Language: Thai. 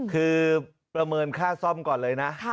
คือประเมินค่าซ่อมก่อนเลยนะ